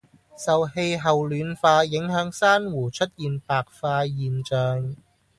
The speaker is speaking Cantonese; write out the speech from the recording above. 受氣候暖化影響珊瑚出現白化現象